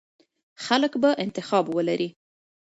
خلک به انتخاب ولري.